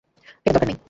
সেটার দরকার নাই।